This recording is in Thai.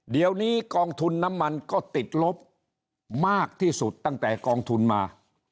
เดี๋ยวนี้กองทุนน้ำมันก็ติดลบมากที่สุดตั้งแต่กองทุนมา